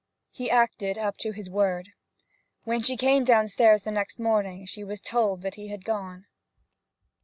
He acted up to his word. When she came downstairs the next morning she was told that he had gone.